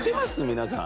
皆さん。